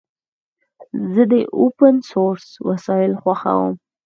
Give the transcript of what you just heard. زه د اوپن سورس وسایل خوښوم.